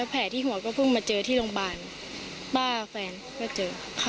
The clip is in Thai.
แผลที่หัวก็เพิ่งมาเจอที่โรงพยาบาลป้าแฟนก็เจอ